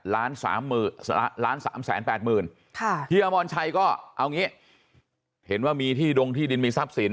๑๓๘๐๐๐บาทเฮียมอนชัยก็เอางี้เห็นว่ามีชื่อดงที่ดินมีทรัพย์สิน